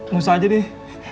musa aja deh